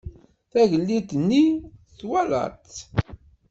Tagellidt-nni twalaḍ-tt?